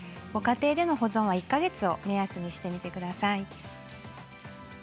ご家庭での保存は１か月を目安にしてください。